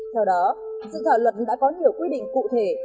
theo đó dự thảo luật đã có nhiều quy định cụ thể